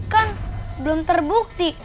kan belum terbukti